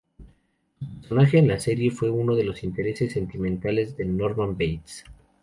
Su personaje en la serie fue uno de los intereses sentimentales de Norman Bates.